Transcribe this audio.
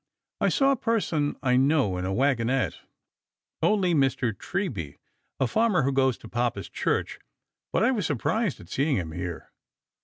I saw a person I know in a wagonette ; only Mr. Treeby, a farmer who goes to papa's church ; but I was surprised at seeing him here."